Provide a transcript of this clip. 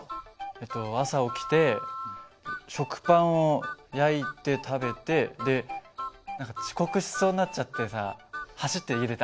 えっと朝起きて食パンを焼いて食べてで何か遅刻しそうになっちゃってさ走って家出た。